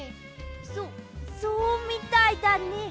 そそうみたいだね。